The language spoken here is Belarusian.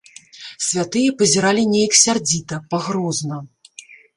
Святыя пазіралі неяк сярдзіта, пагрозна.